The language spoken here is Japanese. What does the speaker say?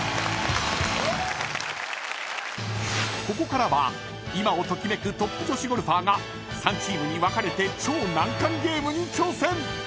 ［ここからは今を時めくトップ女子ゴルファーが３チームに分かれて超難関ゲームに挑戦］